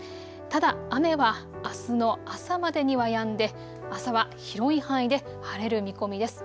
ただ雨はあすの朝までにはやんで朝は広い範囲で晴れる見込みです。